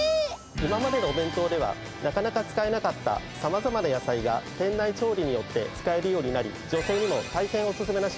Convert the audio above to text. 今までのお弁当ではなかなか使えなかった様々な野菜が店内調理によって使えるようになり女性にも大変オススメな商品です。